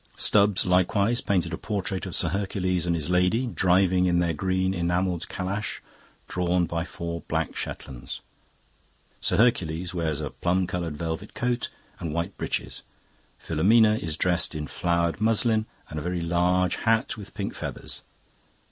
Stubbs likewise painted a portrait of Sir Hercules and his lady driving in their green enamelled calash drawn by four black Shetlands. Sir Hercules wears a plum coloured velvet coat and white breeches; Filomena is dressed in flowered muslin and a very large hat with pink feathers.